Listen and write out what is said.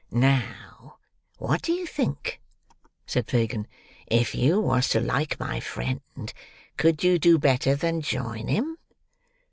"Now, what do you think?" said Fagin. "If you was to like my friend, could you do better than join him?"